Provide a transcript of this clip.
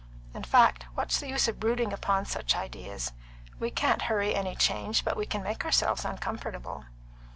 In fact, what's the use of brooding upon such ideas? We can't hurry any change, but we can make ourselves uncomfortable."